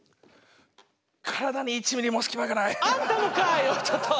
体に１ミリも隙間がない。あんたもかいちょっと。